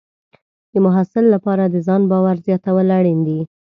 د محصل لپاره د ځان باور زیاتول اړین دي.